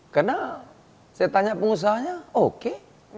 karena saya tanya pengusahanya oke